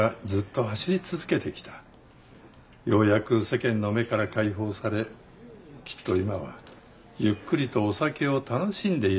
ようやく世間の目から解放されきっと今はゆっくりとお酒を楽しんでいらっしゃるはず。